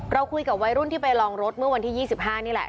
เราคุยกับวัยรุ่นที่ไปลองรถเมื่อวันที่๒๕นี่แหละ